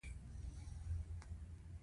بدرنګه نیت بدې پایلې لري